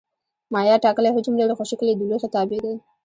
مایعات ټاکلی حجم لري خو شکل یې د لوښي تابع دی.